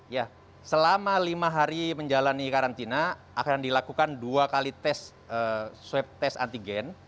ya selama lima hari menjalani karantina akan dilakukan dua kali swab tes antigen